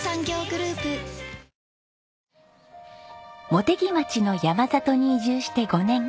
茂木町の山里に移住して５年。